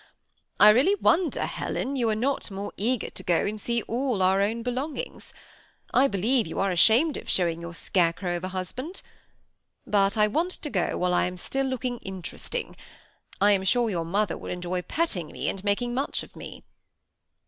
I really wonder, Helen, you are not more eager to go and see all our own belongings. I believe you are 842 THE SEMI ATTACHED COUPLE. ashamed of showing your scarecrow of a hasband; but I want to go while I am still looking interesting. I am sure yoar mother .will enjoy petting me, and making much of me."